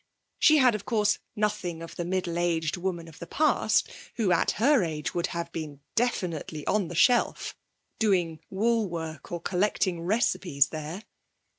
She had, of course, nothing of the middle aged woman of the past, who at her age would have been definitely on the shelf, doing wool work or collecting recipes there.